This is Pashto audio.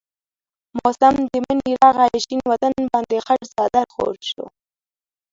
موسم د منی راغي شين وطن باندي خړ څادر خور شو